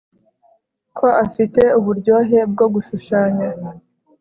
Ko afite uburyohe bwo gushushanya